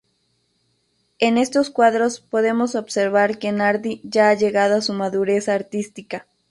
En estos cuadros podemos observar que Nardi ya ha llegado a su madurez artística.